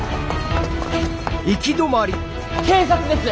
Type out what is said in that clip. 警察です。